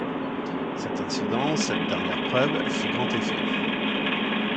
Cet incident, cette dernière preuve, fit grand effet.